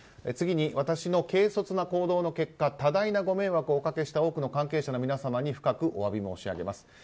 次に、私の軽率な行動の結果多大なご迷惑をおかけした多くの関係者の皆様に深くお詫び申し上げます。